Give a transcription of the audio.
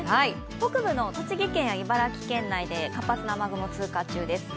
北部の栃木県や茨城県内で活発な雨雲が来ています。